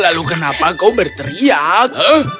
lalu kenapa kau berteriak